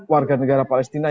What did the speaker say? warga negara palestina